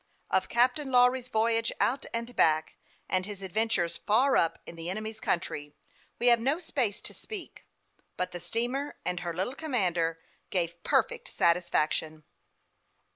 Of Captain Lawry's voyage out and back, and his adventures far up in the enemy's country, we have no space to speak ; but the steamer and her little commander gave perfect satisfaction to all concerned.